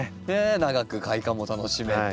長く開花も楽しめて。